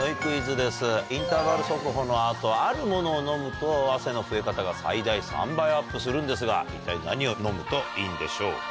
インターバル速歩の後あるものを飲むと汗の増え方が最大３倍アップするんですが一体何を飲むといいんでしょうか。